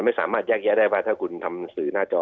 ไม่สามารถแยกแยะได้ว่าถ้าคุณทำสื่อหน้าจอ